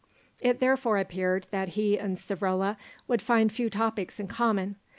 It therefore appeared that he and Savrola would find few topics in common.